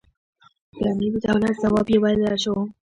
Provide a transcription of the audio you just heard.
ګنې د دولت ځواب یې ویلای شو.